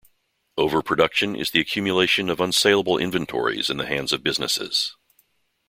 Overproduction is the accumulation of unsalable inventories in the hands of businesses.